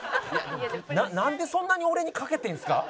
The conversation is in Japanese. なんでそんなに俺に賭けてるんですか？